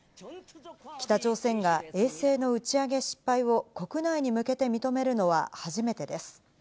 北朝鮮が衛星の打ち上げ失敗を国内に向けて認めるのは初めてです。